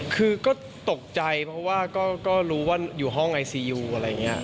คือก็ตกใจเพราะว่าก็รู้ว่าอยู่ห้องไอซียูอะไรอย่างนี้